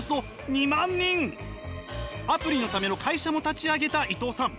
アプリのための会社も立ち上げた伊藤さん。